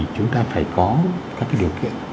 chúng ta phải có các cái điều kiện